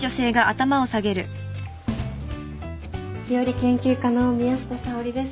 料理研究家の宮下紗織です。